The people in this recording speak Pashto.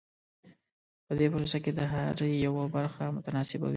په دې پروسه کې د هر یوه برخه متناسبه وي.